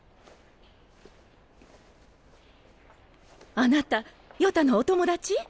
あなたヨタのお友達？